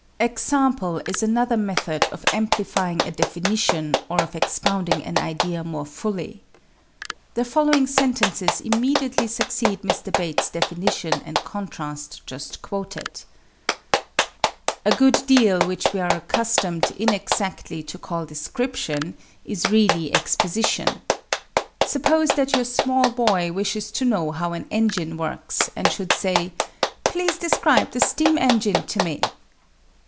=Example= is another method of amplifying a definition or of expounding an idea more fully. The following sentences immediately succeed Mr. Bates's definition and contrast just quoted: A good deal which we are accustomed inexactly to call description is really exposition. Suppose that your small boy wishes to know how an engine works, and should say: "Please describe the steam engine to me."